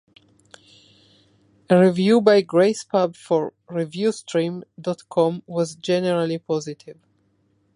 A review by gracepub for ReviewStream dot com was generally positive.